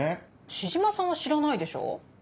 師島さんは知らないでしょ？